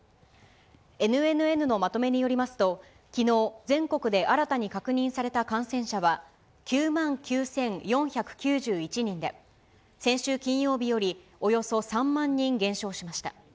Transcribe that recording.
ＮＮＮのまとめによりますと、きのう、全国で新たに確認された感染者は、９万９４９１人で、先週金曜日よりおよそ３万人減少しました。